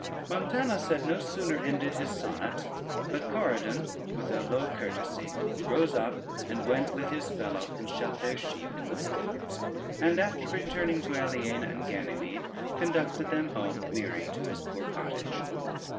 ] Montanus had no sooner ended his sonnet, but Corydon with a low courtesy rose up and went with his fellow, and shut their sheep in the folds; and after returning to Aliena and Ganymede, conducted them home weary to his poor cottage.